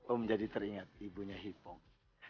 om jadi teringat ibunya hipong